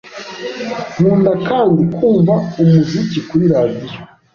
Nkunda kandi kumva umuziki kuri radio.